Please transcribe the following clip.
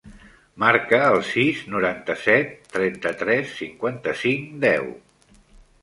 Marca el sis, noranta-set, trenta-tres, cinquanta-cinc, deu.